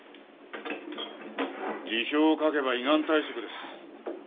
辞表を書けば依願退職です。